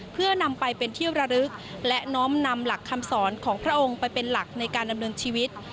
เพื่อนำไปเป็นที่ระลึกและน้อมนำหลักคำสอนของพระองค์ไปเป็นหลักในการดำเนินชีวิต